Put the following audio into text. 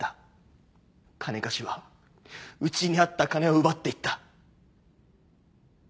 金貸しはうちにあった金を奪っていった。